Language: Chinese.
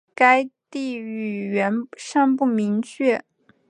该地语源尚不明确。